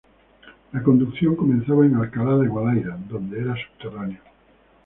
La conducción comenzaba en Alcalá de Guadaíra, donde era subterráneo.